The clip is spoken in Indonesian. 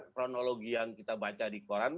kronologi yang kita baca di koran